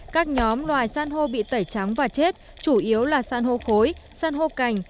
các nhóm loài san hô bị tẩy trắng và chết chủ yếu là san hô cối san hô cành